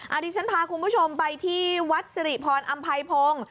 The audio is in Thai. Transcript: อันนี้ฉันพาคุณผู้ชมไปที่วัดสิริพรอำไพพงศ์